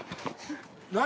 何？